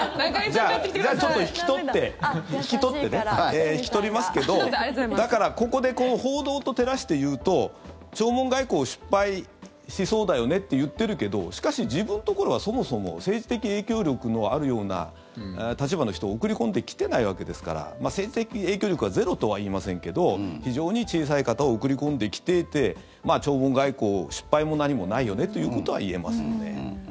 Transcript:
じゃあ、ちょっと引き取って引き取ってね、引き取りますけどだからここで報道と照らして言うと弔問外交、失敗しそうだよねって言ってるけどしかし、自分のところはそもそも政治的影響力のあるような立場の人を送り込んできてないわけですから政治的影響力がゼロとは言いませんけど非常に小さい方を送り込んできていて弔問外交、失敗も何もないよねということは言えますよね。